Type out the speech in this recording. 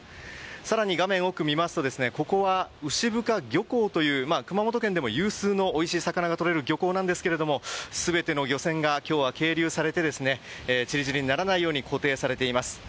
更に画面奥を見ますとここは牛深漁港という熊本県でも有数のおいしい魚がとれる漁港ですが全ての漁船が今日は係留されて散り散りにならないように固定されています。